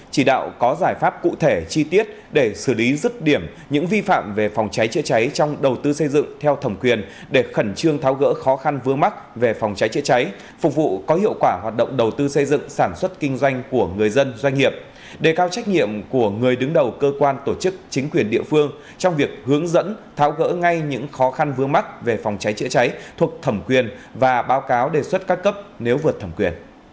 chỉ đạo có giải pháp cụ thể chi tiết để xử lý rứt điểm những vi phạm về phòng cháy chữa cháy trong đầu tư xây dựng theo thẩm quyền để khẩn trương tháo gỡ khó khăn vướng mắt về phòng cháy chữa cháy phục vụ có hiệu quả hoạt động đầu tư xây dựng sản xuất kinh doanh của người dân doanh nghiệp đề cao trách nhiệm của người đứng đầu cơ quan tổ chức chính quyền địa phương trong việc hướng dẫn tháo gỡ ngay những khó khăn vướng mắt về phòng cháy chữa cháy thuộc thẩm quyền và báo cáo đề xuất các cấp nếu vượt thẩm quy